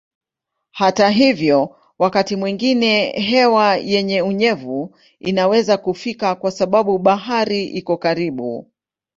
Hata hivyo wakati mwingine hewa yenye unyevu inaweza kufika kwa sababu bahari iko karibu.